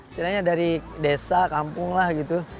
istilahnya dari desa kampung lah gitu